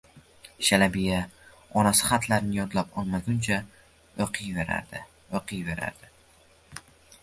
Shalabiya onasi xatlarni yodlab olmaguncha o`qiyverardi-o`qiyverardi